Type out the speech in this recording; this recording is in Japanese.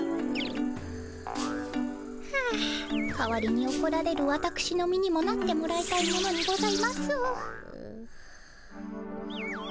はあ代わりにおこられるわたくしの身にもなってもらいたいものにございます。